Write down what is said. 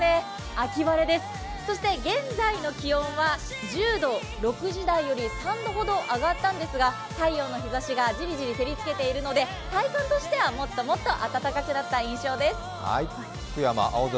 秋晴れです、そして現在の気温は１０度、６時台より３度ほど上がったんですが太陽の日ざしがじりじり照りつけているので体感としてはもっと暖かくなった印象です。